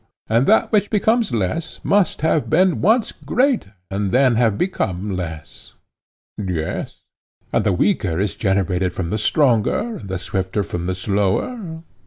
And that which becomes less must have been once greater and then have become less. Yes. And the weaker is generated from the stronger, and the swifter from the slower.